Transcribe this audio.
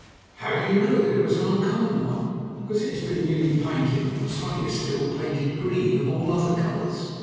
"How do you know that it was an uncommon one?" "Because it has been newly painted, and what's funnier still, painted green, of all other colours.